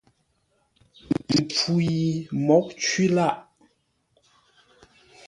Mpfu yi mǒghʼ cwí lâʼ.